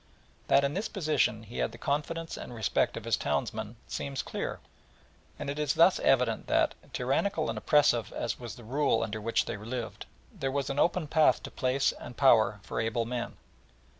That in this position he had the confidence and respect of his townsmen seems clear; and it is thus evident that, tyrannical and oppressive as was the rule under which they lived, there was an open path to place and power for able men.